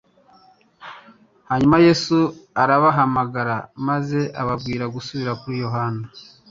Hanyuma Yesu arabahamagara maze ababwira gusubira kuri Yohana